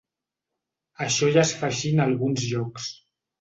Això ja es fa així en alguns llocs.